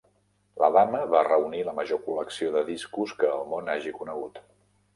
La dama va reunir la major col·lecció de discos que el món hagi conegut.